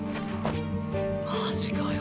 マジかよ。